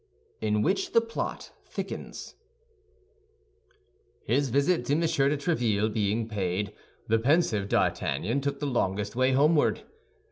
IN WHICH THE PLOT THICKENS His visit to M. de Tréville being paid, the pensive D'Artagnan took the longest way homeward.